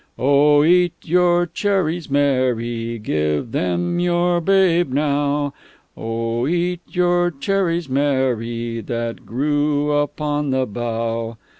"'O, eat your cherries, Mary, Give them your Babe now; O, eat your cherries, Mary, That grew upon the bough.